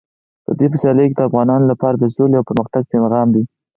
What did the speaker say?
د دوی په سیالیو کې د افغانانو لپاره د سولې او پرمختګ پیغام دی.